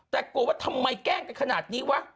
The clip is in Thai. แต่โกรธว่าทำไมแกล้งกันขนาดนี้วะ